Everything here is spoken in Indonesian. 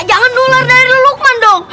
jangan nular dari lukman dong